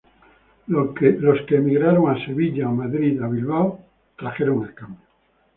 Los que emigraron a Sevilla, a Madrid, a Bilbao... trajeron el cambio.